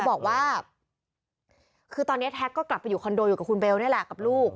บอกว่าคือตอนนี้แท็กก็กลับไปอยู่คอนโดอยู่กับคุณเบลนี่แหละกับลูก